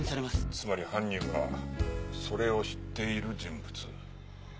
つまり犯人はそれを知っている人物。